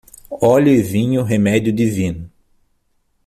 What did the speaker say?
Óleo e vinho, remédio divino.